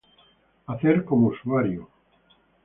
hacer como usuario son